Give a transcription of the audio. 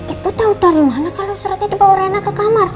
ibu tahu dari mana kalau seratnya dibawa rena ke kamar